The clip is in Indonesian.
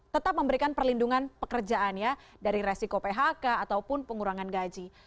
tetap memberikan perlindungan pekerjaan ya dari resiko phk ataupun pengurangan gaji